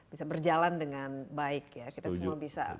bisa berjalan dengan baik ya kita semua bisa